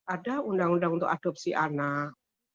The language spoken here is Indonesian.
ada undang undang untuk adopsi anak